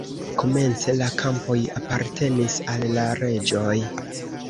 Komence la kampoj apartenis al la reĝoj.